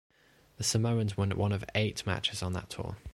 The Samoans won one of eight matches on that tour.